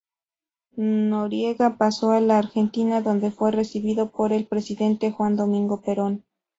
Noriega pasó a la Argentina, donde fue recibido por el presidente Juan Domingo Perón.